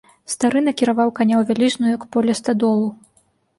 Стары накіраваў каня ў вялізную, як поле, стадолу.